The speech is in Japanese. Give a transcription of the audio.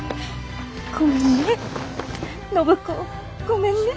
ごめんね。